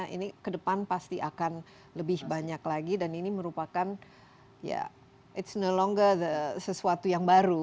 ini ke depan pasti akan lebih banyak lagi dan ini merupakan ya ⁇ its ⁇ no longer sesuatu yang baru